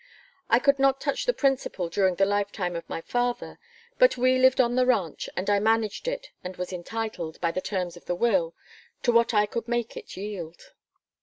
I could not touch the principal during the lifetime of my father, but we lived on the ranch and I managed it and was entitled, by the terms of the will, to what I could make it yield.